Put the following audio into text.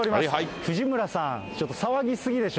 藤村さん、ちょっと騒ぎ過ぎでしょ。